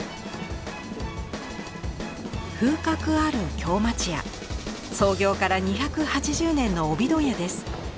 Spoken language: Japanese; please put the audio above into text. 風格ある京町家創業から２８０年の帯問屋です。